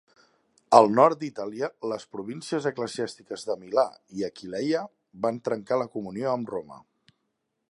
Al nord d'Itàlia, les províncies eclesiàstiques de Milà i Aquileia van trencar la comunió amb Roma.